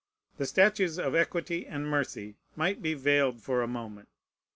The statues of Equity and Mercy might be veiled for a moment.